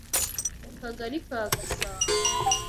mu Kagali ka Gasabo.